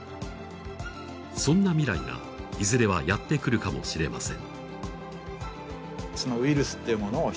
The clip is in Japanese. そんな未来が、いずれもやってくるかもしれません。